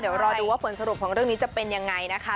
เดี๋ยวรอดูว่าผลสรุปของเรื่องนี้จะเป็นยังไงนะคะ